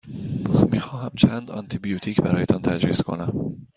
می خواهمم چند آنتی بیوتیک برایتان تجویز کنم.